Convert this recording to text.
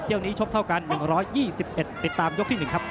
นี้ชกเท่ากัน๑๒๑ติดตามยกที่๑ครับ